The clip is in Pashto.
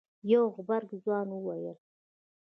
يو غبرګ ځوان وويل.